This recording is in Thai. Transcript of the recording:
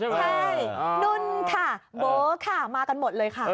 ใช่นุ่นค่ะโบ๊ค่ะมากันหมดเลยค่ะ